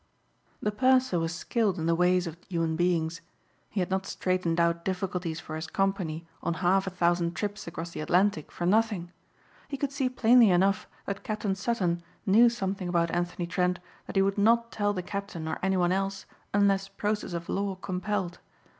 The purser was skilled in the ways of human beings. He had not straightened out difficulties for his company on half a thousand trips across the Atlantic for nothing. He could see plainly enough that Captain Sutton knew something about Anthony Trent that he would not tell the captain or anyone else unless process of law compelled.